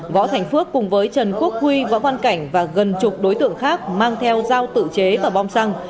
võ thành phước cùng với trần quốc huy võ văn cảnh và gần chục đối tượng khác mang theo dao tự chế và bom xăng